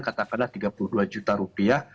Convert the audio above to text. katakanlah tiga puluh dua juta rupiah